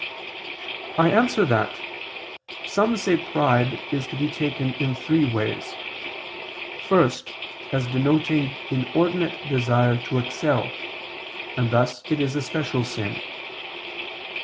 I answer that, Some say pride is to be taken in three ways. First, as denoting inordinate desire to excel; and thus it is a special sin.